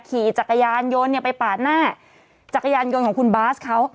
ขี่จักรยานยนต์ไปปาดหน้าจักรยานยนต์ของคุณบาสเขา